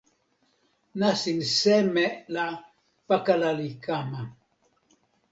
nasin seme la pakala li kama.